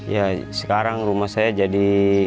ya sekarang rumah saya jadi